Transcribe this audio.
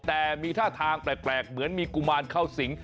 แต่มีท่าทางแปลกเหมือนมีกุมารเข้าสิง